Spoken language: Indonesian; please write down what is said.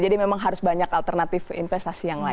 jadi memang harus banyak alternatif investasi yang lain